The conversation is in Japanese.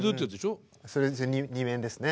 それ２面ですね。